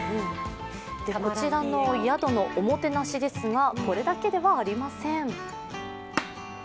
こちらの宿のおもてなしですが、これだけではありません。